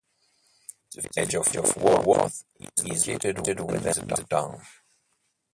The Village of Walworth is located within the town.